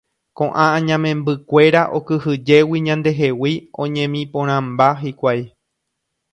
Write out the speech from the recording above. Ko'ã añamembykuéra okyhyjégui ñandehegui oñemiporãmba hikuái.